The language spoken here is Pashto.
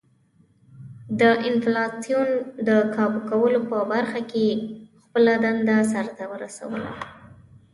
د انفلاسیون د کابو کولو په برخه کې خپله دنده سر ته ورسوله.